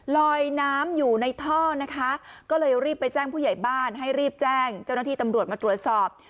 ลอยน้ำอยู่ในท่อนะคะก็เลยรีบไปแจ้งผู้ใหญ่บ้านให้รีบแจ้งเจ้าหน้าที่ตำรวจมาตรวจสอบ